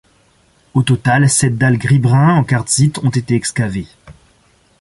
Au total, sept dalles gris-brun en quartzite ont été excavées.